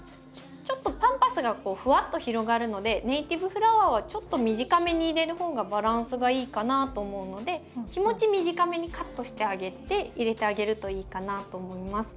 ちょっとパンパスがこうふわっと広がるのでネイティブフラワーはちょっと短めに入れる方がバランスがいいかなと思うので気持ち短めにカットしてあげて入れてあげるといいかなと思います。